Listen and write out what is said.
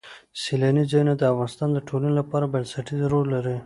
سیلانی ځایونه د افغانستان د ټولنې لپاره بنسټيز رول لري.